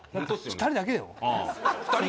２人だけよ